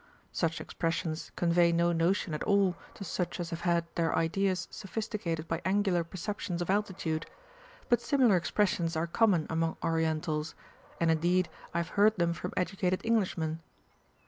Such expressions convey no notion at all to such as have had their ideas sophisticated by angular perceptions of altitude, but similar expressions are common among Orientals, | and indeed I have heard them from educated Englishmen.